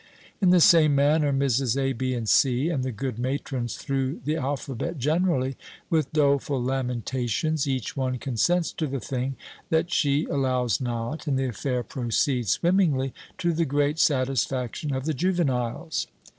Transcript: In the same manner Mrs. A., B., and C., and the good matrons through the alphabet generally, with doleful lamentations, each one consents to the thing that she allows not, and the affair proceeds swimmingly to the great satisfaction of the juveniles.